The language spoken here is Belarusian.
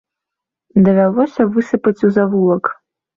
Давялося высыпаць у завулак.